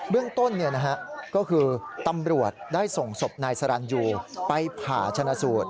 เรื่องต้นก็คือตำรวจได้ส่งศพนายสรรยูไปผ่าชนะสูตร